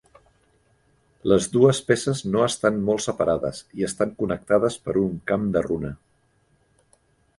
Les dues peces no estan molt separades i estan connectades per un camp de runa.